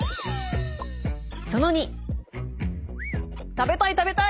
食べたい食べたい！